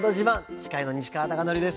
司会の西川貴教です。